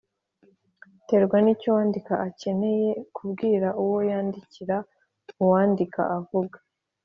iterwa n icyo uwandika akeneye kubwira uwo yandikira Uwandika avuga